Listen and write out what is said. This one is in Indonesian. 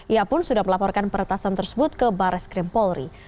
ia pun sudah melaporkan peretasan tersebut ke barres krimpolri